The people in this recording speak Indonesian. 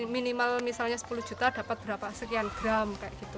minimal misalnya sepuluh juta dapat berapa sekian gram